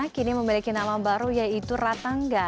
kini memiliki nama baru yaitu ratangga